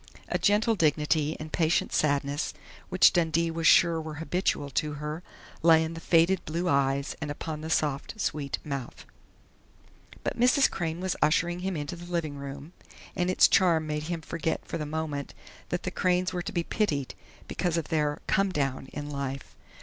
A gentle dignity and patient sadness, which Dundee was sure were habitual to her, lay in the faded blue eyes and upon the soft, sweet mouth.... But Mrs. Crain was ushering him into the living room, and its charm made him forget for the moment that the Crains were to be pitied, because of their "come down" in life.